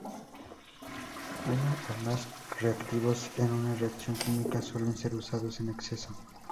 Uno o más reactivos en una reacción química suelen ser usados en exceso.